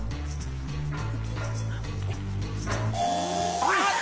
あっ！